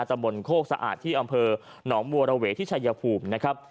ตำบลโคกสะอาดที่อำเภอหนองบัวระเวที่ชายภูมินะครับ